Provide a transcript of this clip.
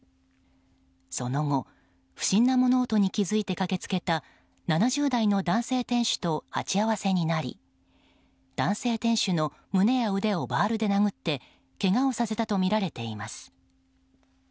その後、不審な物音に気付いて駆けつけた７０代の男性店主と鉢合わせになり男性店主の胸や腕をバールで殴ってけがをさせたとみられています。